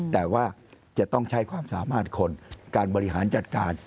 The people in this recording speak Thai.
แต่ว่าจะต้องใช้ความสามารถคนการบริหารจัดการ